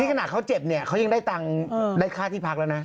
ขนาดเขาเจ็บเนี่ยเขายังได้ตังค์ได้ค่าที่พักแล้วนะ